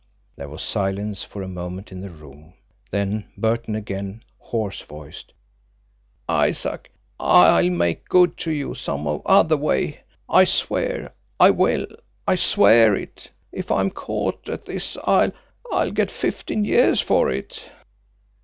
There was silence for a moment in the room; then Burton again, hoarse voiced: "Isaac, I'll make good to you some other way. I swear I will I swear it! If I'm caught at this I'll I'll get fifteen years for it."